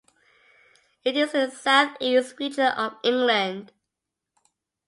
It is in the South East region of England.